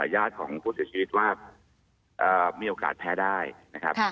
ญาติของผู้เสียชีวิตว่ามีโอกาสแพ้ได้นะครับ